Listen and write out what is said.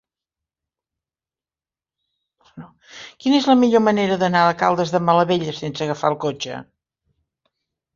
Quina és la millor manera d'anar a Caldes de Malavella sense agafar el cotxe?